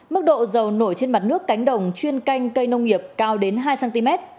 mức độ dầu nổi trên mặt nước cánh đồng chuyên canh cây nông nghiệp cao đến hai cm